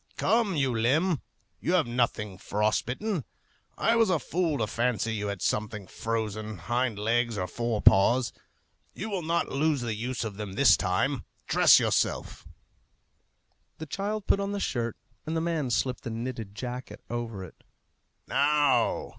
"Come, you limb; you have nothing frost bitten! I was a fool to fancy you had something frozen, hind legs or fore paws. You will not lose the use of them this time. Dress yourself!" The child put on the shirt, and the man slipped the knitted jacket over it. "Now...."